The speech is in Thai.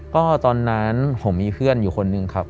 ก็ตอนนั้นผมมีเพื่อนอยู่คนหนึ่งครับ